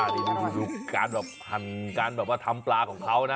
นี่ดูการทำปลาของเขานะ